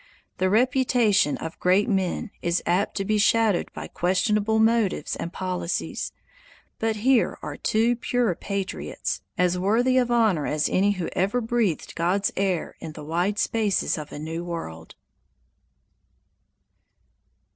The reputation of great men is apt to be shadowed by questionable motives and policies, but here are two pure patriots, as worthy of honor as any who ever breathed God's air in the wide spaces of a new world.